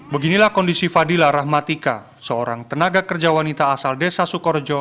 beginilah kondisi fadila rahmatika seorang tenaga kerja wanita asal desa sukorejo